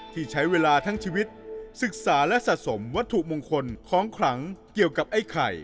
ที่ใช้เวลาทั้งชีวิตศึกษาและสะสมวัตถุมงคลของขลังเกี่ยวกับไอ้ไข่